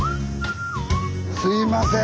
すいません。